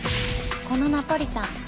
このナポリタン